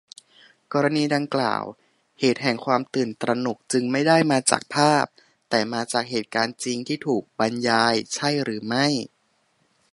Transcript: กรณีดังกล่าว เหตุแห่งความตื่นตระหนกจึงไม่ได้มาจากภาพ แต่มาจากเหตุการณ์จริงที่ถูกบรรยาย ใช่หรือไม่